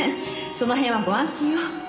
その辺はご安心を。